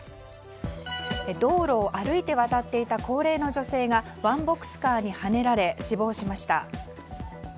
道路を歩いて渡っていた高齢の女性がワンボックスカーにはねられ死亡しました。